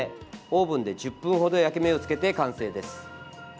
オーブンで１０分ほど焼き目をつけて完成です。